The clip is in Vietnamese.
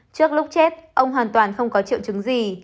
trước lúc chết ông hoàn toàn không có triệu chứng gì